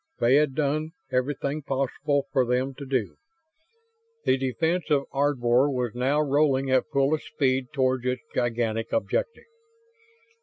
They had done everything possible for them to do. The defense of Ardvor was now rolling at fullest speed toward its gigantic objective.